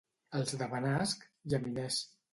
Els de Benasc, llaminers.